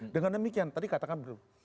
dengan demikian tadi katakan belum